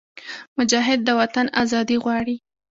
مجاهد د وطن ازادي غواړي.